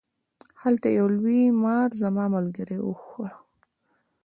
هلته یو لوی مار زما ملګری و خوړ.